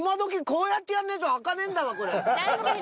こうやってやんねえと開かねえんだわこれ。